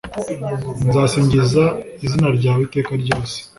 nzasingiza izina ryawe iteka ryose